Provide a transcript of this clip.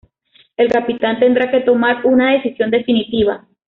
El Capitán tendrá que tomar una decisión definitiva.